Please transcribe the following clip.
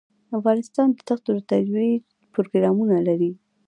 افغانستان د دښتو د ترویج پروګرامونه لري.